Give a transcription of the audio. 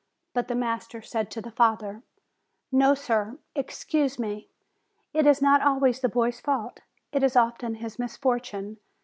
But the master said to the father: "No, sir, excuse me; it is not always the boy's fault; it is often his misfortune.